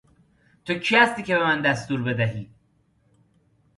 تو کی هستی که به من دستور بدهی!